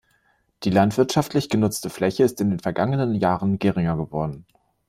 Die landwirtschaftlich genutzte Fläche ist in den vergangenen Jahren geringer geworden.